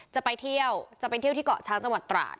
จะไปเที่ยวจะไปเที่ยวที่เกาะช้างจังหวัดตราด